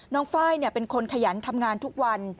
น้องไฟล์เนี่ยเป็นคนขยันทำงานทุกวัน